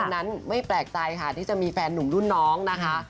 ดังนั้นไม่แปลกใจค่ะที่จะมีแฟนหนุ่มรุ่นน้องนะคะ